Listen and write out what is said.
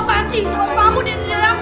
apaan sih coba kamu di dalam